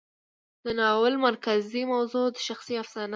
د ناول مرکزي موضوع شخصي افسانه ده.